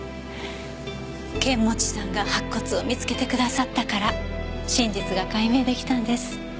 剣持さんが白骨を見つけてくださったから真実が解明出来たんです。